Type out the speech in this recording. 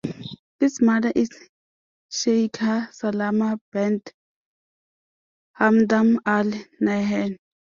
His mother is Sheikha Salama bint Hamdan Al Nahyan.